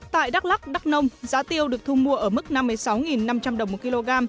tại đắk lắc đắk nông giá tiêu được thu mua ở mức năm mươi sáu năm trăm linh đồng một kg